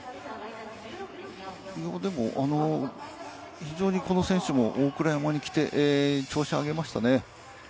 でも非常にこの選手も大倉山に来て調子を上げましたね。